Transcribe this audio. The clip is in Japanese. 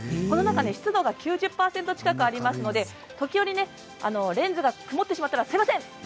この中、湿度が９０％以上ありますので時折レンズが曇ってしまったらすみません。